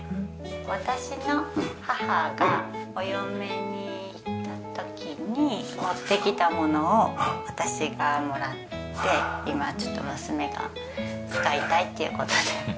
私の母がお嫁に行った時に持ってきたものを私がもらって今娘が使いたいっていう事で。